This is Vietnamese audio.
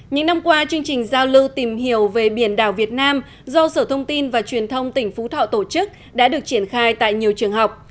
những năm qua chương trình giao lưu tìm hiểu về biển đảo việt nam do sở thông tin và truyền thông tỉnh phú thọ tổ chức đã được triển khai tại nhiều trường học